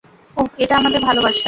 ওহ, এটা আমাদের ভালোবাসা।